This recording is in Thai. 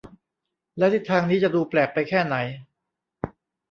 แล้วทิศทางนี้จะดูแปลกไปแค่ไหน